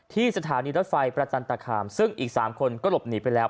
สถานีรถไฟประจันตคามซึ่งอีก๓คนก็หลบหนีไปแล้ว